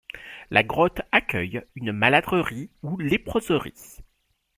La grotte accueille une maladrerie ou léproserie.